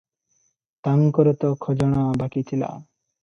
ତାଙ୍କର ତ ଖଜଣା ବାକି ଥିଲା ।